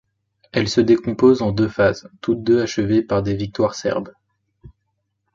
Elles se décomposent en deux phases, toutes deux achevées par des victoires serbes.